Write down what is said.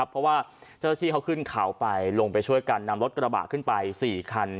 เพราะว่าเจ้าที่เขาขึ้นเขาไปลงไปช่วยกันนำรถกระบะขึ้นไป๔คัน